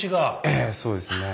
ええそうですね。